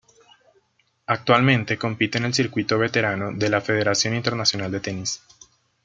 Actualmente compite en el Circuito Veterano de la Federación Internacional de Tenis.